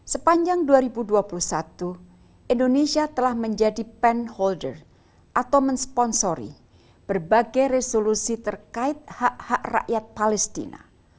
sepanjang dua ribu dua puluh satu indonesia telah menjadi pen holder atau mensponsori berbagai resolusi terkait hak hak rakyat palestina